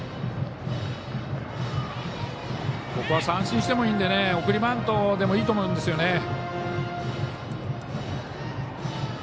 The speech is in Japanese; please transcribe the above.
三振してもいいので送りバントでもいいと思うんですよね。